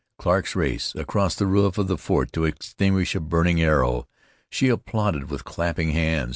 Clark's race, across the roof of the fort to extinguish a burning arrow, she applauded with clapping hands.